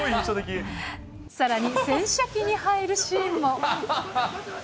さらに、洗車機に入るシーンも。